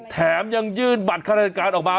แถมยังยื่นบัตรข้าราชการออกมา